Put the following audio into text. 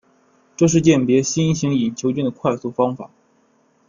这是鉴别新型隐球菌的快速方法。